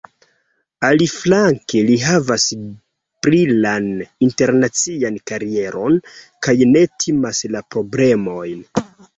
Aliflanke, li havas brilan internacian karieron kaj ne timas la problemojn.